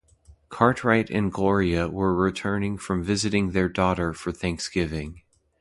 Cartwright and Gloria were returning from visiting their daughter for Thanksgiving.